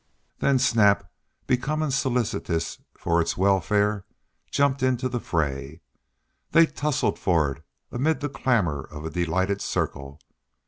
Then Snap, becoming solicitous for its welfare, jumped into the fray. They tussled for it amid the clamor of a delighted circle.